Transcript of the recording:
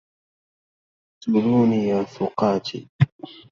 أقتلوني يا ثقاتي